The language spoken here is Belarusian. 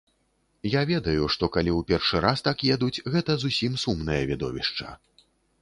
Я ведаю, што калі ў першы раз так едуць, гэта зусім сумнае відовішча.